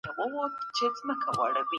ښوونکي ټولني ته سمه لارښوونه کوي.